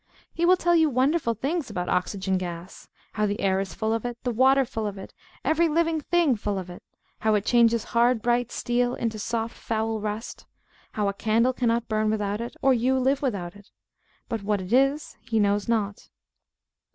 He will tell you wonderful things about oxygen gas how the air is full of it, the water full of it, every living thing full of it; how it changes hard bright steel into soft, foul rust; how a candle cannot burn without it, or you live without it. But what it is he knows not.